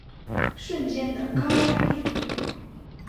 瞬间的高压电流